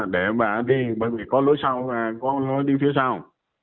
để bà đi bởi vì có lối sau có lối đi phía sau